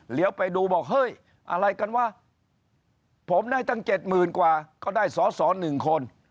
เหลียวไปดูบอกเฮ้ยอะไรกันว่าผมได้ตั้งเจ็ดหมื่นกว่าก็ได้สอหนึ่งคน